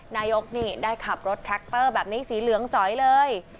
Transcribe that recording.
นายกนี่ได้ขับรถแทรคเตอร์แบบนี้สีเหลืองจอยเลย